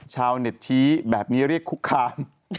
ชาวเน็ตชี้แบบนี้เรียกคุกคาม